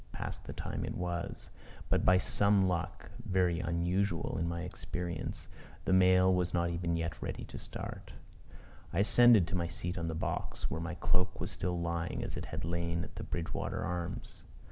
Past the time it was; but by some luck, very unusual in my experience, the mail was not even yet ready to start. I ascended to my seat on the box, where my cloak was still lying as it had lain at the Bridgewater Arms.